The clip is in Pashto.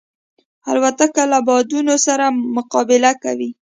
الوتکه له بادونو سره مقابله کوي.